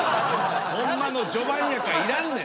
ホンマの序盤やからいらんねん。